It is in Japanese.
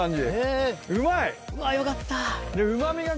うわよかった。